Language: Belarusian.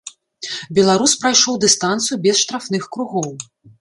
Беларус прайшоў дыстанцыю без штрафных кругоў.